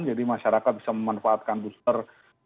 jadi masyarakat bisa memanfaatkan booster